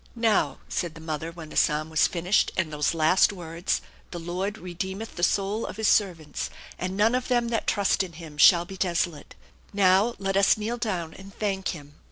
" Now/' said the mother when the psalm was finished and those last words, " The Lord redeemeth the souJ of his THE ENCHANTED BARN 179 servants, and none of them that trust in mm shall be desolate" ;" now let us kneel down and thank Him."